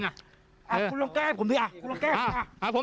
คุณลงแก้ผมด้วยคุณลงแก้ผม